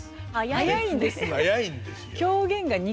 早いんですよ。